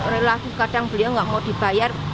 relaku kadang beliau tidak mau dibayar